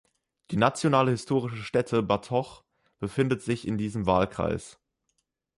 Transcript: Die nationale historische Stätte Batoche befindet sich in diesem Wahlkreis.